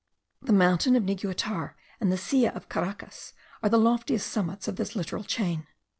The mountain of Niguatar and the Silla of Caracas are the loftiest summits of this littoral chain.